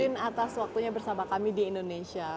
terima kasih pak mas waktunya bersama kami di indonesia